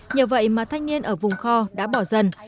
nhờ vậy mà thanh niên ở vùng kho đã bỏ dần